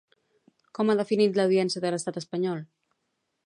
Com ha definit l'audiència de l'estat espanyol?